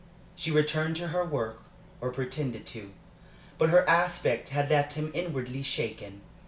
She returned to her work, or pretended to. But her aspect had left him inwardly shaken.